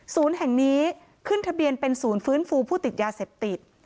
แห่งนี้ขึ้นทะเบียนเป็นศูนย์ฟื้นฟูผู้ติดยาเสพติด